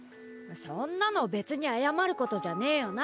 そんなの別に謝ることじゃねえよな？